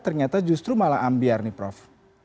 ternyata justru malah ambiar nih prof